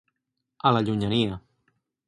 A la llunyania.